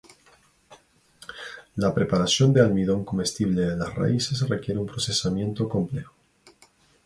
La preparación de almidón comestible de las raíces requiere un procesamiento complejo.